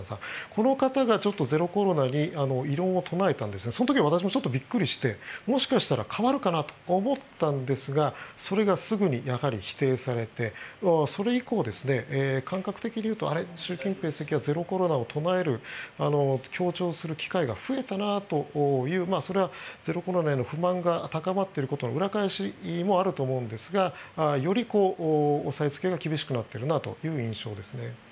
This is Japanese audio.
この方がちょっとゼロコロナに異論を唱えたんですがその時に私もちょっとびっくりしてもしかしたら変わるかなと思ったんですがそれがすぐに否定されてそれ以降、感覚的に言うと習近平主席はゼロコロナを唱える強調する機会が増えたなとそれはゼロコロナへの不満が高まっていることへの裏返しもあると思うんですがより抑えつけが厳しくなっているなという印象です。